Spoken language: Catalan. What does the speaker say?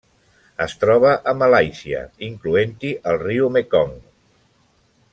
Es troba a Malàisia, incloent-hi el riu Mekong.